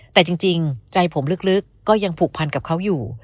แต่จริงใจผมลึกก็ยังผูกพันกับเขาอยู่